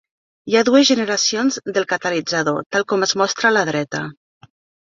Hi ha dues generacions del catalitzador, tal com es mostra a la dreta.